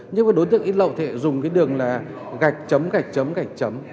nhưng đối tượng in lậu dùng đường gạch chấm gạch chấm gạch chấm